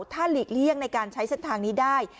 ถ้าหลีกเลี่ยงในการใช้เส้นทางนี้ได้